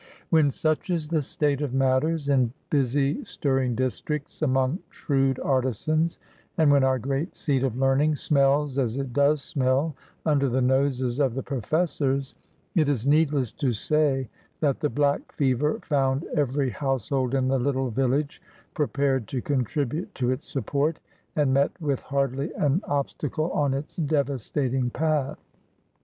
When such is the state of matters in busy, stirring districts, among shrewd artisans, and when our great seat of learning smells as it does smell under the noses of the professors, it is needless to say that the "black fever" found every household in the little village prepared to contribute to its support, and met with hardly an obstacle on its devastating path.